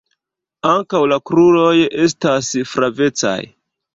Ankaŭ la kruroj estas flavecaj.